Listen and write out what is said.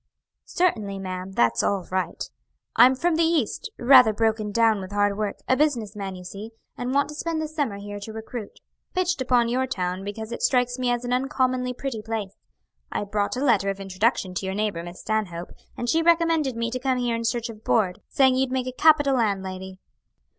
"Certainly, ma'am, that's all right. I'm from the East; rather broken down with hard work a business man, you see and want to spend the summer here to recruit. Pitched upon your town because it strikes me as an uncommonly pretty place. I brought a letter of introduction to your neighbor, Miss Stanhope, and she recommended me to come here in search of board, saying you'd make a capital landlady."